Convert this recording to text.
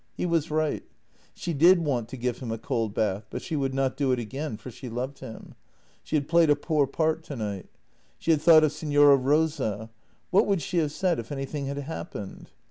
He was right. She did want to give him a cold bath, but she would not do it again, for she loved him. She had played a poor part tonight. She had thought of Signora Rosa. What would she have said if anything had happened?